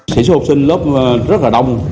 sĩ số học sinh lớp rất là đông